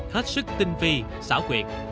hết sức tinh phi xảo quyệt